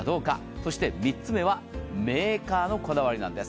そして３つ目はメーカーのこだわりなんです。